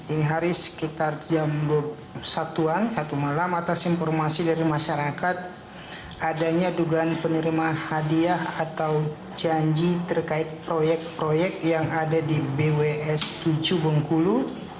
ini hari sekitar jam satuan satu malam atas informasi dari masyarakat adanya dugaan penerima hadiah atau janji terkait proyek proyek yang ada di bws tujuh bengkulu